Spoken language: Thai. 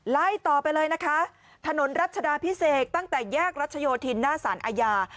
ไล่ต่อไปเลยนะคะถนนรัชดาพิเศษตั้งแต่แยกรัชโยธินหน้าสารอาญา